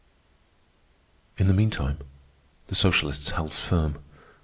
In the meantime, the socialists held firm.